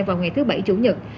vào ngày thứ bảy chủ nhật